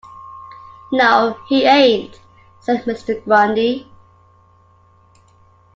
‘No, he ain’t,’ said Mr. Grundy.